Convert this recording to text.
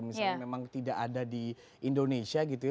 misalnya memang tidak ada di indonesia gitu ya